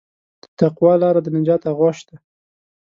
د تقوی لاره د نجات آغوش ده.